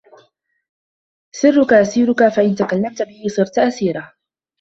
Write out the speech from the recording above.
سِرُّك أَسِيرُك فَإِنْ تَكَلَّمْت بِهِ صِرْت أَسِيرَهُ